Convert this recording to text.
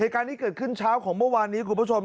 การที่เกิดขึ้นเช้าของเมื่อวานนี้คุณผู้ชม